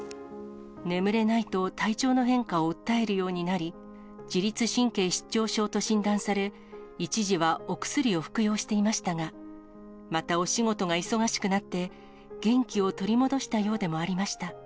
眠れないと、体調の変化を訴えるようになり、自律神経失調症と診断され、一時はお薬を服用していましたが、またお仕事が忙しくなって、元気を取り戻したようでもありました。